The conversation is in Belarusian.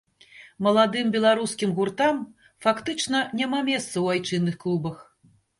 Маладым беларускім гуртам фактычна няма месца ў айчынных клубах.